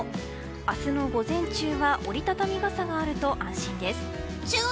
明日の午前中は折り畳み傘があると安心です。